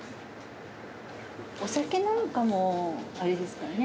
お酒なんかもあれですからね。